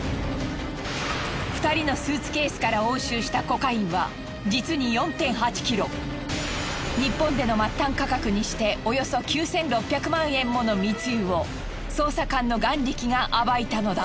２人のスーツケースから日本での末端価格にしておよそ９，６００万円もの密輸を捜査官の眼力が暴いたのだ。